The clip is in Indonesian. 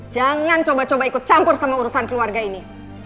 jangan coba coba ikut campur sama urusan keluarga ini